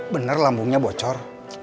bener lambungnya bocor